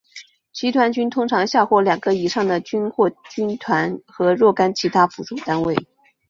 集团军通常下辖两个以上的军或军团和若干其他辅助单位。